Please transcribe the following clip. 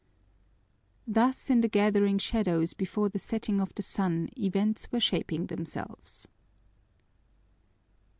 Thus in the gathering shadows before the setting of the sun events were shaping themselves.